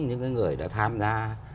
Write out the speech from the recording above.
những người đã tham gia